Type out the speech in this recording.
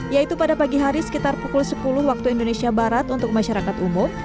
yaitu pada pagi hari sekitar pukul sepuluh waktu indonesia barat untuk masyarakat umum